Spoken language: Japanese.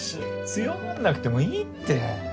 強がんなくてもいいって。